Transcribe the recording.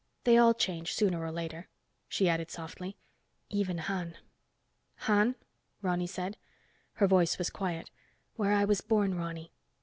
They all change, sooner or later." She added softly, "Even Han." "Han?" Ronny said. Her voice was quiet. "Where I was born, Ronny.